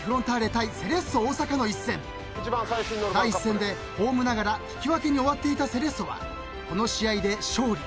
［第１戦でホームながら引き分けに終わっていたセレッソはこの試合で勝利。